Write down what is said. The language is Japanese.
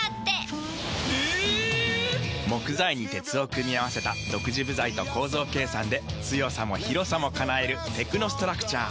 木材に鉄を組み合わせた独自部材と構造計算で強さも広さも叶えるテクノストラクチャー。